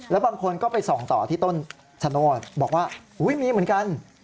แล้วบางคนก็ไปส่องต่อที่ต้นชะโนธบอกว่าอุ๊ยมีเหมือนกัน